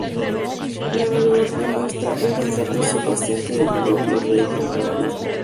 La radiografía muestra un retrato subyacente del propio rey con armadura.